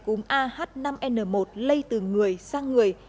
trường hợp mắc cúm ah năm n một lây từ người sang người